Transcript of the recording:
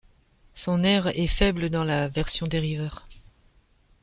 Son erre est faible dans la version dériveur.